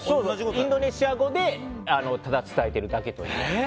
インドネシア語でただ伝えてるだけという。